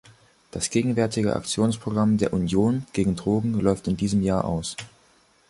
Das gegenwärtige Aktionsprogramm der Union gegen Drogen läuft in diesem Jahr aus.